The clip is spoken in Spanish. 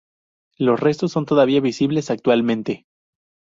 Los restos son todavía visibles actualmente.